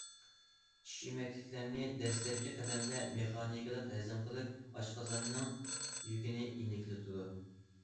چىش يېمەكلىكلەرنى دەسلەپكى قەدەمدە مېخانىكىلىق ھەزىم قىلىپ، ئاشقازاننىڭ يۈكىنى يېنىكلىتىدۇ.